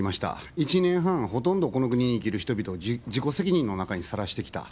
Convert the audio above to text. １年半、ほとんどこの国に生きる人々を、自己責任の中にさらしてきた。